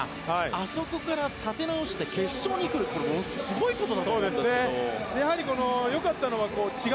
あそこから立て直して決勝に来るすごいことだと思うんですけど。